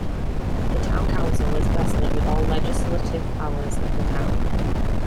The Town Council is vested with all legislative powers of the Town.